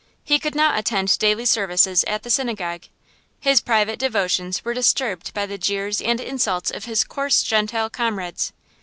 He could not attend daily services at the synagogue; his private devotions were disturbed by the jeers and insults of his coarse Gentile comrades.